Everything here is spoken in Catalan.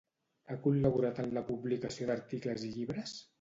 Ha col·laborat en la publicació d'articles i llibres?